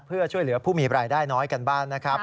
เพื่อช่วยเหลือผู้มีรายได้น้อยกันบ้านนะครับ